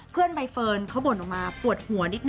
เพื่อนไปเฟิร์นเขาบ่นออกมาปวดหัวนิดหน่อย